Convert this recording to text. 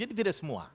jadi tidak semua